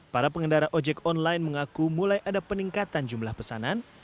para pengendara ojek online mengaku mulai ada peningkatan jumlah pesanan